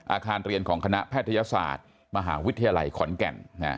อาคารเรียนของคณะแพทยศาสตร์มหาวิทยาลัยขอนแก่น